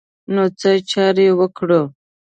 نو څه چاره وکړو.